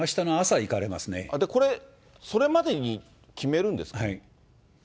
これ、それまでに決めるんですか。